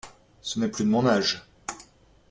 Ce n’est plus de mon âge.